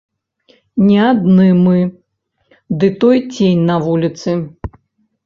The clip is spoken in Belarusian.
Не адны мы ды той цень на вуліцы.